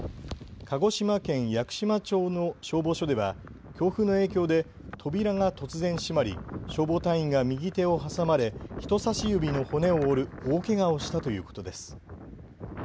鹿児島県屋久島町の消防署では強風の影響で扉が突然閉まり消防隊員が右手を挟まれ人さし指の骨を折る大けがをしたということです。